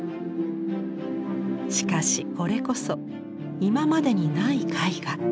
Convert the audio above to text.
しかしこれこそ今までにない絵画。